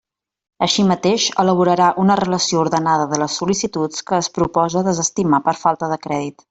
Així mateix elaborarà una relació ordenada de les sol·licituds que es propose desestimar per falta de crèdit.